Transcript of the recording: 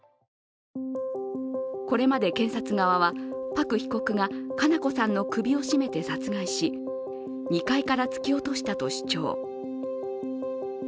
これまで、検察側はパク被告が佳菜子さんの首を絞めて殺害し、２階から突き落としたと主張。